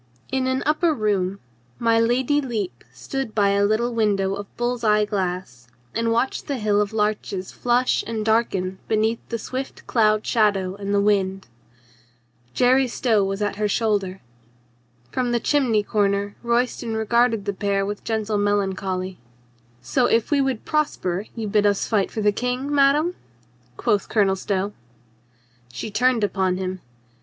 In an upper room my Lady Lepe stood by a little window of bull's eye glass and watched the hill of larches flush and darken beneath the swift cloud shadow and the wind. Jerry Stow was at her shoulder. From the chimney corner Royston regarded the pair with gentle melan choly. "So if we would prosper you bid us fight for the King, madame?" quoth Colonel Stow. She turned upon him.